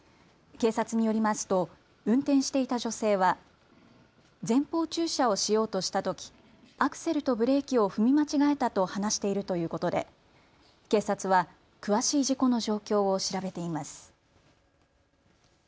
警察によりますと運転していた女性は前方駐車をしようとしたとき、アクセルとブレーキを踏み間違えたと話しているということで警察は詳しい事故の状況を調べています。